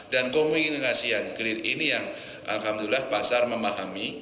dan komunikasi yang grid ini yang alhamdulillah pasar memahami